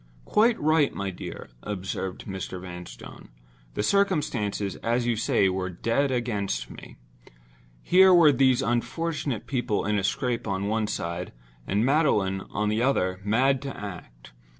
"Quite right, my dear," observed Mr. Vanstone. "The circumstances, as you say, were dead against me. Here were these unfortunate people in a scrape on one side; and Magdalen, on the other, mad to act.